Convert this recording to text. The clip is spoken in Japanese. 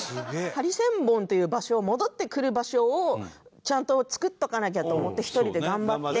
ハリセンボンっていう場所を戻ってくる場所をちゃんと作っとかなきゃと思って１人で頑張って。